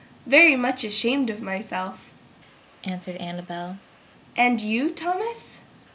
"Very much ashamed of myself!" answered Annabel, "And you, Thomas?"